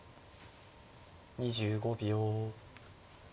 ２５秒。